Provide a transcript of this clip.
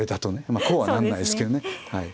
まあこうはなんないですけどね。